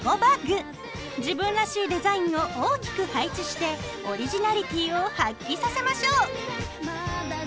自分らしいデザインを大きく配置してオリジナリティを発揮させましょう。